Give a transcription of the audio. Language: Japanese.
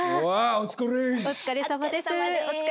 お疲れさまです。